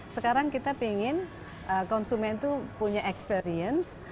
sekarang kita ingin konsumen itu punya experience